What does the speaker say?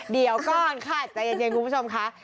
เดี๋ยวก่อนค่ะใจเย็นคุณผู้ชมค่ะ